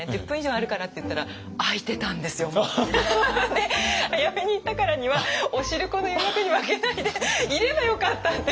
で早めに行ったからにはお汁粉の誘惑に負けないでいればよかったって。